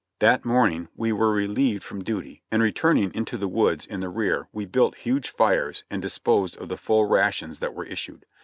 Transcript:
That morning we were relieved from duty ; and returning into the woods in the rear we built huge fires and disposed of the full rations that were issued.